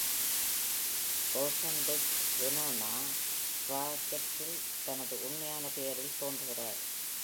Rosenberg வெனோனா ப்ராஜெக்ட்இல் தனது உண்மையான பெயரில் தோன்றுகிறார்.